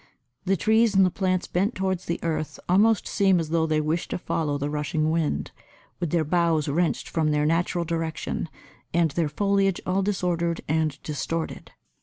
The trees and the plants bent towards the earth almost seem as though they wished to follow the rushing wind, with their boughs wrenched from their natural direction and their foliage all disordered and distorted.